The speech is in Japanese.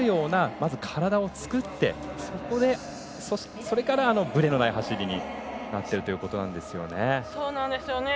まず、体を作って、それからぶれのない走りになっているということなんですよね。